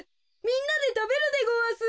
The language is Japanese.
みんなでたべるでごわす。